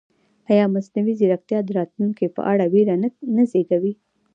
ایا مصنوعي ځیرکتیا د راتلونکي په اړه وېره نه زېږوي؟